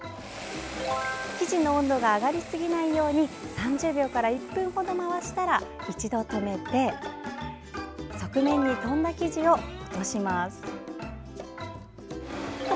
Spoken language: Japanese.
生地の温度が上がり過ぎないように３０秒から１分程、回したら一度止め側面に飛んだ生地を落とします。